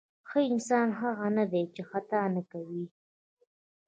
ښه انسان هغه نه دی چې خطا نه کوي.